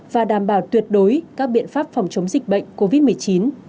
và đảm bảo tuyệt đối các biện pháp phòng chống dịch bệnh covid một mươi chín